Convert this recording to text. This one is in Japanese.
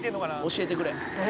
「教えてくれ」